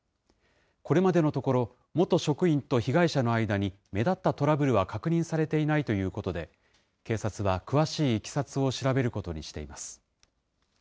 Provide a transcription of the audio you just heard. これまでのところ、元職員と被害者の間に目立ったトラブルは確認されていないということで、警察は詳しいいきさつを調べることにしています。